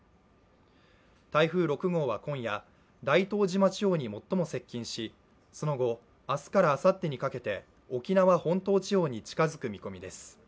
台風６号は今夜、大東島地方に最も接近し、その後、明日からあさってにかけて沖縄本島地方に近づく見込みです。